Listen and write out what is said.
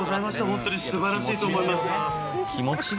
「ホントに素晴らしいと思います」